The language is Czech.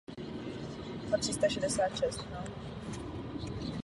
Přehodnocujeme způsob správy vnitřního trhu na vnitrostátní i evropské úrovni.